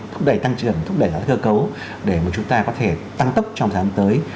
thúc đẩy tăng trưởng thúc đẩy các cơ cấu để chúng ta có thể tăng tốc trong tháng tới